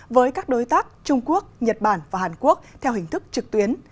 với các đối tác trung quốc nhật bản và hàn quốc theo hình thức trực tuyến